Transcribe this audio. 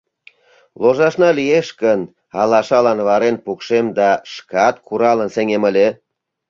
Ложашна лиеш гын, алашалан варен пукшем да шкат куралын сеҥем ыле...